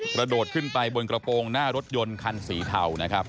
กระโดดขึ้นไปบนกระโปรงหน้ารถยนต์คันสีเทานะครับ